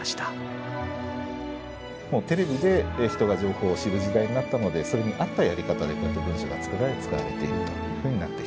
テレビで人が情報を知る時代になったのでそれに合ったやり方でこうやって文書が作られ使われているというふうになってきています。